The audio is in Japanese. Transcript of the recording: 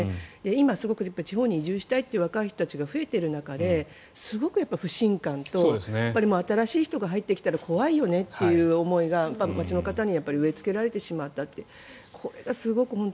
今、地方に移住したいという若い人たちが増えている中で不信感と新しい人が入ってきたら怖いよねという思いが町の方に植えつけられてしまった。